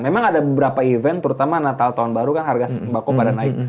memang ada beberapa event terutama natal tahun baru kan harga sembako pada naik